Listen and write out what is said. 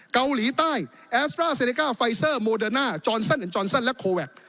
เกาหลีใต้แอสเตอร์เซเนคาไฟเซอร์โมเดอร์น่าจอนซันและโคแวค